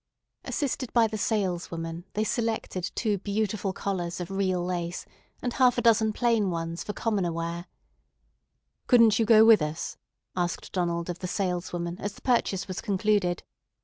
Assisted by the saleswoman, they selected two beautiful collars of real lace, and half a dozen plain ones for commoner wear. "Couldn't you go with us?" asked Donald of the saleswoman as the purchase was concluded.